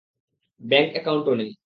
Bank অ্যাকাউন্টও নেই।